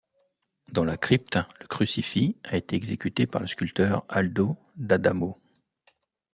Dans la crypte, le crucifix a été exécuté par le sculpteur Aldo D'Adamo.